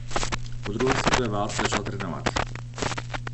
Po druhé světové válce začal trénovat.